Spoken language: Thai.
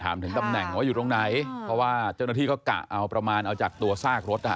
ถึงตำแหน่งว่าอยู่ตรงไหนเพราะว่าเจ้าหน้าที่ก็กะเอาประมาณเอาจากตัวซากรถนะฮะ